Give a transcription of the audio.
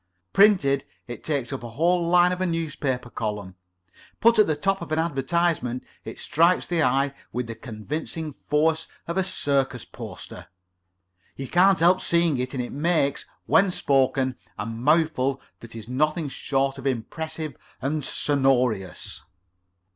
Printed, it takes up a whole line of a newspaper column; put at the top of an advertisement, it strikes the eye with the convincing force of a circus poster. You can't help seeing it, and it makes, when spoken, a mouthful that is nothing short of impressive and sonorous."